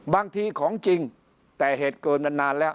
บางทีของจริงแต่เหตุเกินนั้น